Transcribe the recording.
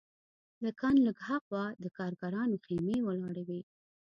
له کان لږ هاخوا د کارګرانو خیمې ولاړې وې